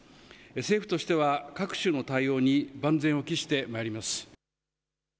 政府としては各種の対応に万全を期してまいります。